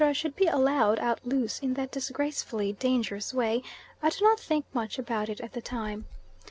should be allowed out loose in that disgracefully dangerous way, I do not think much about it at the time.